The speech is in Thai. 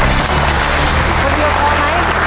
คนเดียวพอไหม